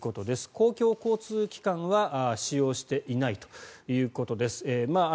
公共交通機関は使用していないということです。